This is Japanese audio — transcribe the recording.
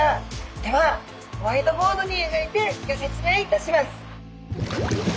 ではホワイトボードにえがいてギョ説明いたします！